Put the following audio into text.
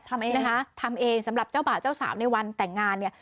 ทำเองนะคะทำเองสำหรับเจ้าบ่าวเจ้าสาวในวันแต่งงานเนี่ย